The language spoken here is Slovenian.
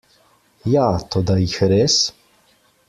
Ja, toda jih res?